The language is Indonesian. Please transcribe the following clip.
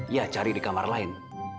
ia cari di kamar lain